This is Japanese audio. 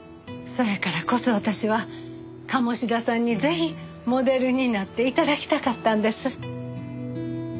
そやからこそ私は鴨志田さんにぜひモデルになって頂きたかったんです。